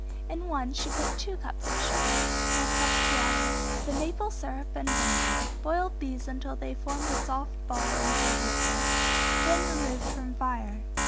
In one she put two cups of sugar, one cup of water, the maple syrup and vinegar, boiled these until they formed a soft ball in cold water, then removed from fire.